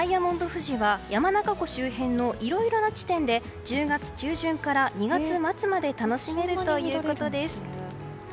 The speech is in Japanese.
富士は山中湖周辺のいろいろな地点で１０月中旬から２月末まで楽しめるということです。